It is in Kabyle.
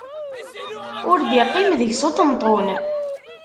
Ur d-iqqim deg-s uṭenṭun.